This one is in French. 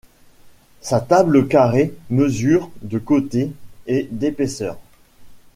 Sa table carrée mesure de côté et d'épaisseur.